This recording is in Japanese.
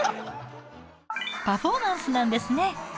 パフォーマンスなんですね。